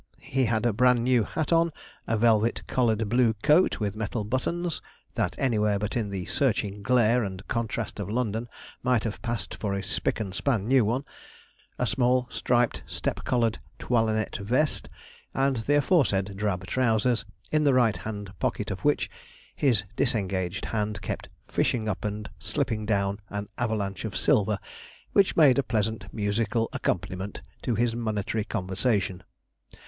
He had a bran new hat on, a velvet collared blue coat with metal buttons, that anywhere but in the searching glare and contrast of London might have passed for a spic and span new one; a small, striped, step collared toilanette vest; and the aforesaid drab trousers, in the right hand pocket of which his disengaged hand kept fishing up and slipping down an avalanche of silver, which made a pleasant musical accompaniment to his monetary conversation.